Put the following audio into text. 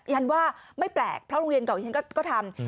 ฉันว่าไม่แปลกเพราะโรงเรียนเก่าฉันก็ทำ